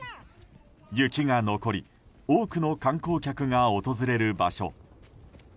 雪が残り多くの観光客が訪れる場所。